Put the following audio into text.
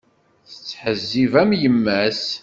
Tettḥezzib am yemma-s.